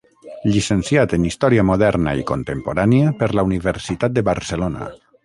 Llicenciat en Història Moderna i Contemporània per la Universitat de Barcelona.